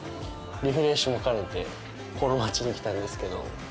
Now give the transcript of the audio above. リフレッシュも兼ねてこの町に来たんですけど。